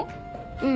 うん。